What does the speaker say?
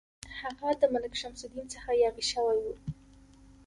هغه د ملک شمس الدین څخه یاغي شوی وو.